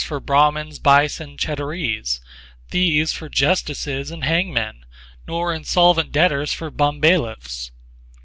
] for Bramins, Bice and Chehterees; thieves for justices and hangmen; nor insolvent debtors for bum bailiffs.